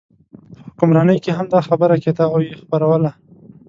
په حکمرانۍ کې هم دا خبره کېده او یې خپروله.